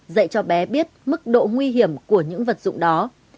dạy cho bé biết mức độ nguy hiểm của những vật dụng đó